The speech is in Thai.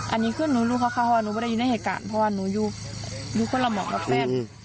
อันนี้คือหนูรู้เขาว่าหนูไม่ได้อยู่ในเหตุการณ์เพราะว่าหนูอยู่คนละหมอกับแฟน